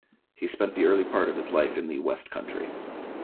He spent the early part of his life in the West Country.